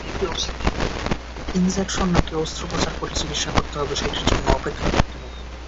Injection নাকি অস্ত্রোপচার করে চিকিৎসা করতে হবে, সেটির জন্য অপেক্ষা করতে হবে।